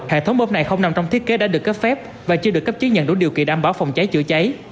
hệ thống bơm này không nằm trong thiết kế đã được cấp phép và chưa được cấp chứng nhận đủ điều kiện đảm bảo phòng cháy chữa cháy